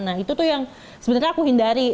nah itu tuh yang sebenarnya aku hindari